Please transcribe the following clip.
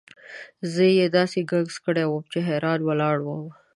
زه یې داسې ګنګس کړی وم چې حیران ولاړ وم.